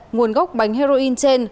nguồn gốc bánh heroin trên